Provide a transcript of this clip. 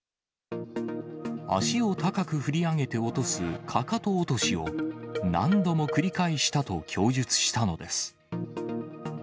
足を高く振り上げて落とす、かかと落としを、何度も繰り返したと供述したのです。